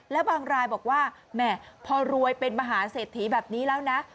แล้วบางรายบอกว่าแหมพอรวยเป็นมหาเศรษฐีแบบนี้แล้วนะ